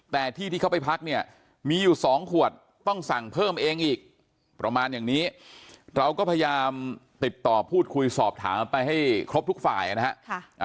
แต่ที่ที่เขาไปพักเนี่ยมีอยู่๒ขวดต้องสั่งเพิ่มเองอีกประมาณอย่างนี้เราก็พยายามติดต่อพูดคุยสอบถามไปให้ครบทุกฝ่ายนะฮะ